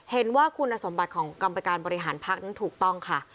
เห็นว่าคุณสมบัติของกรรมการบริหารพักนั้นถูกต้องค่ะ